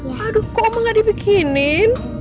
aduh kok oma gak dibikinin